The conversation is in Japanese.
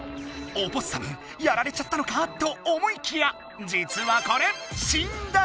オポッサムやられちゃったのか？と思いきやじつはこれ！